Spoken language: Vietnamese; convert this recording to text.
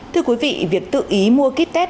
thưa quý vị việc tự ý mua kít tét